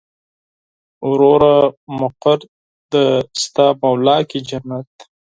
وروره مقر دې ستا مولا کې جنت.